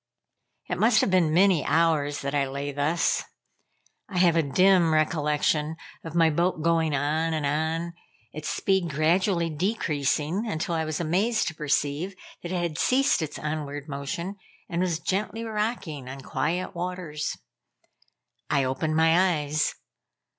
It must have been many hours that I lay thus. I have a dim recollection of my boat going on and on, its speed gradually decreasing, until I was amazed to perceive that it had ceased its onward motion and was gently rocking on quiet waters. I opened my eyes.